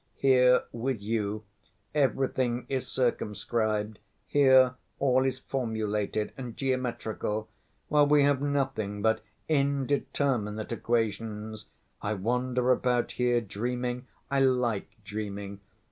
Here, with you, everything is circumscribed, here all is formulated and geometrical, while we have nothing but indeterminate equations! I wander about here dreaming. I like dreaming.